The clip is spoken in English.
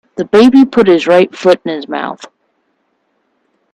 The baby puts his right foot in his mouth.